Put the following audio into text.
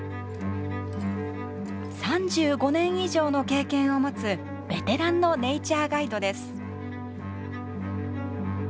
３５年以上の経験を持つベテランのネイチャーガイドです。